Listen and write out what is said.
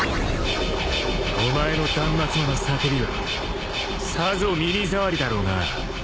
お前の断末魔の叫びはさぞ耳障りだろうな。